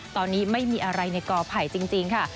ตอนนี้ไม่มีอะไรในกอไผ่จริงค่ะ